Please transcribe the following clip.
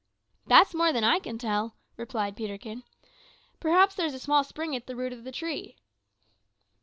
"That's more than I can tell," replied Peterkin. "Perhaps there's a small spring at the root of the tree."